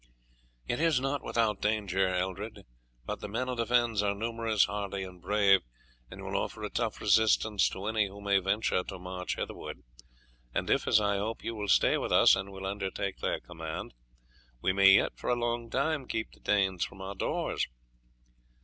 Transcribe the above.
"It is not without danger, Eldred, but the men of the fens are numerous, hardy and brave, and will offer a tough resistance to any who may venture to march hitherward, and if, as I hope, you will stay with us, and will undertake their command, we may yet for a long time keep the Danes from our doors."